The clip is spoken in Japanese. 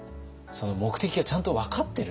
目的がちゃんと分かってる。